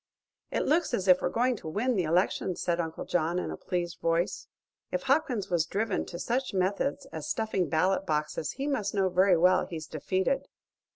"It looks as if we were going to win the election," said Uncle John in a pleased voice. "If Hopkins was driven to such methods as stuffing ballot boxes, he must know very well he's defeated."